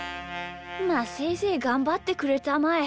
まあせいぜいがんばってくれたまえ。